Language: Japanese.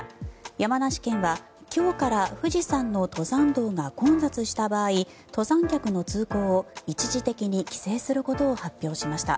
山梨県は今日から富士山の登山道が混雑した場合登山客の通行を一時的に規制することを発表しました。